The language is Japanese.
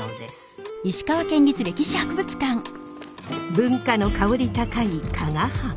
文化の薫り高い加賀藩。